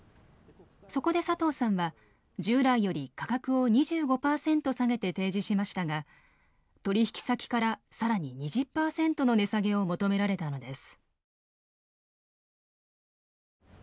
そこで佐藤さんは従来より価格を２５％下げて提示しましたが取引先から更に２０％の値下げを求められたのです。